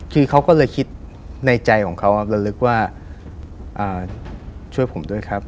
คือเขาก็เลยคิดในใจของเขาระลึกว่าช่วยผมด้วยครับ